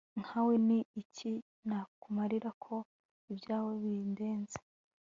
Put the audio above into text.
Nkawe ni iki nakumarira ko ibyawe bindenze